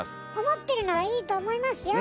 思ってるのはいいと思いますよ。